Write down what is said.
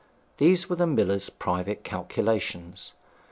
These were the miller's private calculations.